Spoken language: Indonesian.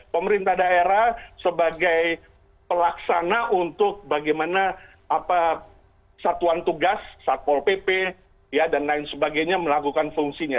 pemerintah daerah sebagai pelaksana untuk bagaimana satuan tugas satpol pp dan lain sebagainya melakukan fungsinya